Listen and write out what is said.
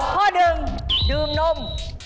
ข้อ๑ดื่มนม